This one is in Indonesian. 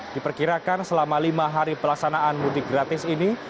diperkirakan selama lima hari pelaksanaan mudik gratis ini